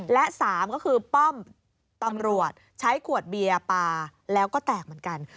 และ๓ก็คือป้อมตำรวจใช้ขวดเบียร์ปลาแล้วก็แตกเหมือนกัน